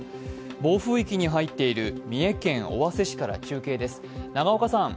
暴風域に入っている三重県尾鷲市から中継です